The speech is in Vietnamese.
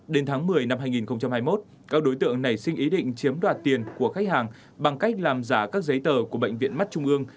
đến tháng một mươi năm hai nghìn hai mươi một các đối tượng nảy sinh ý định chiếm đoạt tiền của khách hàng bằng cách làm giả các giấy tờ của bệnh viện mắt trung ương